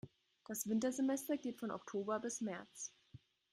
Das Wintersemester geht von Oktober bis März.